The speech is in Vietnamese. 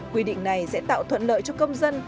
quy định này sẽ tạo thuận lợi cho công dân